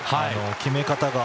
決め方が。